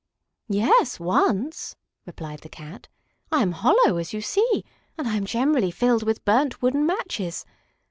"Yes, once," replied the Cat. "I am hollow, as you see, and I am generally filled with burnt wooden matches.